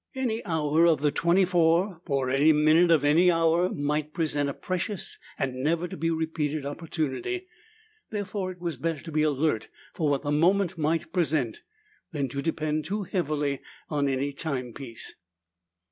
Any hour of the twenty four, or any minute of any hour, might present a precious and never to be repeated opportunity. Therefore, it was better to be alert for what the moment might present than to depend too heavily on any timepiece.